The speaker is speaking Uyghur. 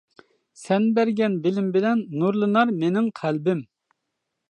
سەن بەرگەن بىلىم بىلەن، نۇرلىنار مېنىڭ قەلبىم.